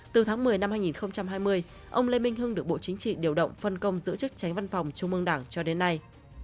từ tháng một mươi năm hai nghìn hai mươi ông lê minh hưng được bộ chính trị điều động phân công giữ chức tránh văn phòng trung ương đảng cho đến nay